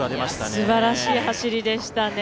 すばらしい走りでしたね。